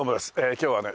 今日はね